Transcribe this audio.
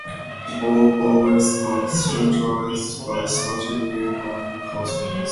All vowels are centralized by certain neighbouring consonants.